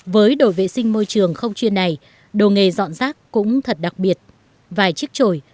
với đội vệ sinh môi trường không chuyên này đồ nghề dọn rác cũng thật đặc biệt vài chiếc trội